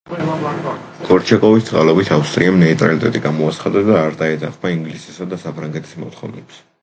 გორჩაკოვის წყალობით ავსტრიამ ნეიტრალიტეტი გამოაცხადა და არ დაეთანხმა ინგლისის და საფრანგეთის მოთხოვნებს.